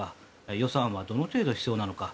予算はどの程度必要なのか。